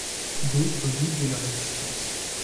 D'autres doutent de leur existence.